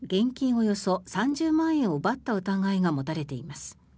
およそ３０万円を奪った疑いが持たれています。